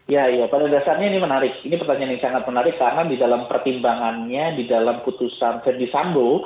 ya pada dasarnya ini menarik ini pertanyaan yang sangat menarik karena di dalam pertimbangannya di dalam putusan ferdis sambo